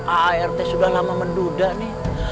aa rt sudah lama menduda nih